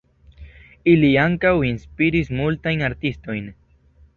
Ili ankaŭ inspiris multajn artistojn.